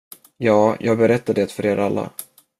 Ja, jag berättade det för er alla.